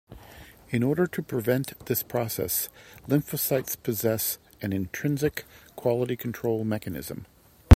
In order to prevent this process, lymphocytes possess an intrinsic quality-control mechanism.